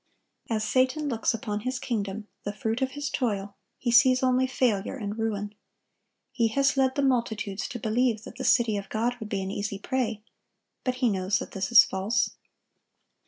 As Satan looks upon his kingdom, the fruit of his toil, he sees only failure and ruin. He has led the multitudes to believe that the city of God would be an easy prey; but he knows that this is false.